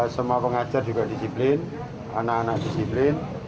semua pengajar juga disiplin anak anak disiplin